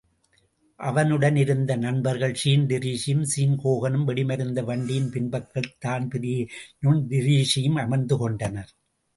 அவனுடன் இருந்த நண்பர்கள் ஸீன் டிரீஸியும், ஸீன் ஹோகனும் வெடிமருந்து வண்டியின் பின்பக்கத்தில் தான்பிரீனும், டிரீஸியும் அமர்ந்து கொண்டனர்.